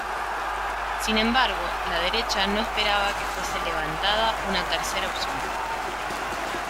Sin embargo, la derecha no esperaba que fuese levantada una tercera opción.